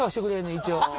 一応。